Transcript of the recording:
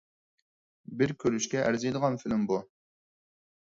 بىر كۆرۈشكە ئەرزىيدىغان فىلىم بۇ.